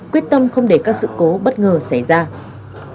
quyết tâm không để các sự cố bất ngờ xảy ra